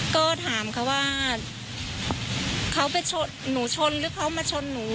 ก็ถามเขาว่าเขาไปชนหนูชนหรือเขามาชนหนู